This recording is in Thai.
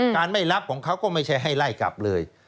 ไม่รับของเขาก็ไม่ใช่ให้ไล่กลับเลย